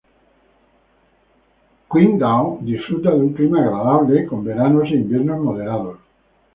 Qingdao disfruta de un clima agradable, con veranos e inviernos moderados.